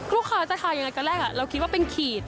ลูกค้าจะทานยังไงตอนแรกเราคิดว่าเป็นขีด